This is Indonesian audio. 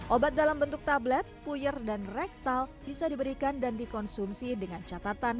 obat dalam bentuk tablet puyir dan rektal bisa diberikan dan dikonsumsi dengan catatan